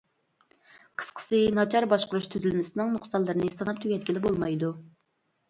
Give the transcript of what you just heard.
قىسقىسى، ناچار باشقۇرۇش تۈزۈلمىسىنىڭ نۇقسانلىرىنى ساناپ تۈگەتكىلى بولمايدۇ.